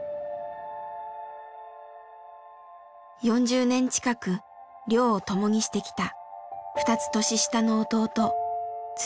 ４０年近く漁を共にしてきた２つ年下の弟常吉さん。